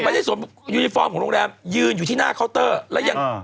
ไม่ใช่ส่วนยูนิฟอร์มของโรงแรมยืนอยู่ที่หน้าเคาน์เตอร์